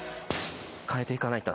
「変えていかないと」